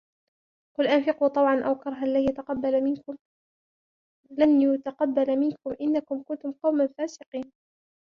قُلْ أَنْفِقُوا طَوْعًا أَوْ كَرْهًا لَنْ يُتَقَبَّلَ مِنْكُمْ إِنَّكُمْ كُنْتُمْ قَوْمًا فَاسِقِينَ